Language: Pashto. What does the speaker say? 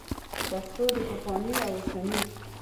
د پښتو د پخواني او اوسني